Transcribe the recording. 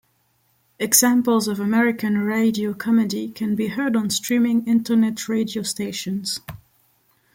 Examples of American radio comedy can be heard on streaming internet radio stations.